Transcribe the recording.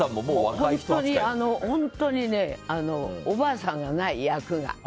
本当にね、おばあさんがない役が。